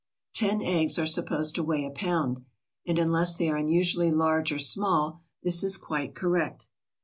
Ten eggs are supposed to weigh a pound, and, unless they are unusually large or small, this is quite correct.